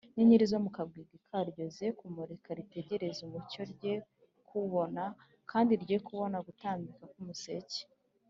inyenyeri zo mu kabwibwi karyo ze kumurika, ritegereze umucyo, rye kuwubona, kandi rye kubona gutambika k’umuseke,